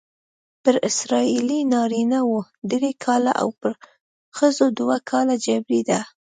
پر اسرائیلي نارینه وو درې کاله او پر ښځو دوه کاله جبری ده.